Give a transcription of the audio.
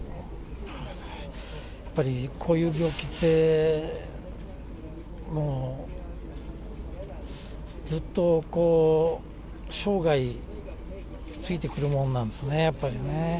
やっぱりこういう病気って、もうずっと生涯ついてくるもんなんですね、やっぱりね。